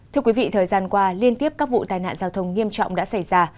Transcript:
thưa quý vị thời gian qua liên tiếp các vụ tai nạn giao thông nghiêm trọng đã xảy ra